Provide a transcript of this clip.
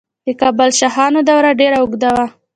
د کابل شاهانو دوره ډیره اوږده وه